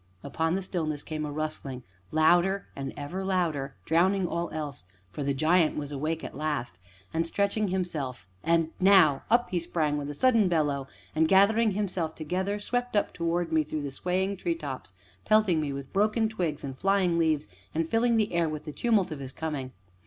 Upon the stillness came a rustling, loud and ever louder, drowning all else, for the giant was awake at last, and stretching himself; and now, up he sprang with a sudden bellow, and, gathering himself together, swept up towards me through the swaying treetops, pelting me with broken twigs and flying leaves, and filling the air with the tumult of his coming.